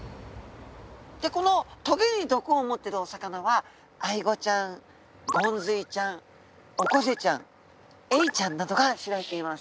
でこの棘に毒を持っているお魚はアイゴちゃんゴンズイちゃんオコゼちゃんエイちゃんなどが知られています。